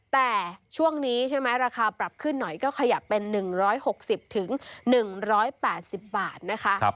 แต่ช่วงนี้ใช่ไหมราคาปรับขึ้นหน่อยก็ขยับเป็น๑๖๐๑๘๐บาทนะคะ